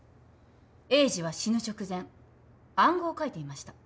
栄治は死ぬ直前暗号を書いていました。